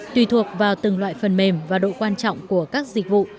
tùy thuộc vào từng loại phần mềm và độ quan trọng của các dịch vụ